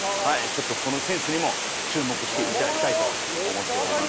ちょっとこの選手にも注目していただきたいと思っております。